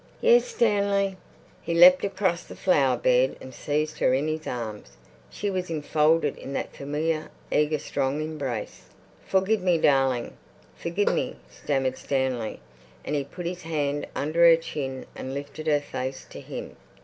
"Yes, Stanley." He leapt across the flower bed and seized her in his arms. She was enfolded in that familiar, eager, strong embrace. "Forgive me, darling, forgive me," stammered Stanley, and he put his hand under her chin and lifted her face to him.